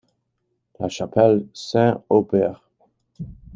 La Chapelle-Saint-Aubert